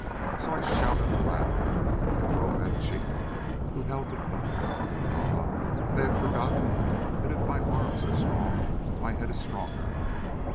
So I shouted aloud and drove at Cheat, who held the gun. Ah! they had forgotten that if my arms are strong, my head is stronger!